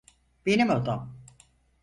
Benim odam.